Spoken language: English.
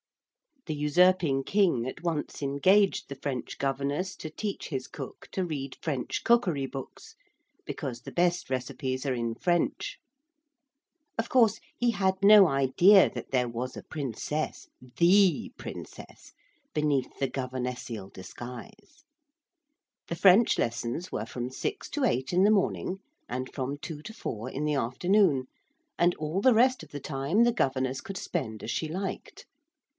The usurping King at once engaged the French governess to teach his cook to read French cookery books, because the best recipes are in French. Of course he had no idea that there was a princess, the Princess, beneath the governessial disguise. The French lessons were from 6 to 8 in the morning and from 2 to 4 in the afternoon, and all the rest of the time the governess could spend as she liked.